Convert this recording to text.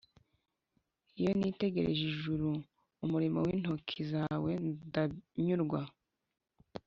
Iyo nitegereje ijuru umurimo w intoki zawe ndanyurwa